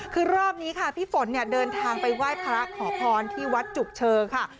คือรอบนี้ค่ะพี่ฝนเนี่ยเดินทางไปไหว้พระขอพรที่วัดจุกเชอค่ะ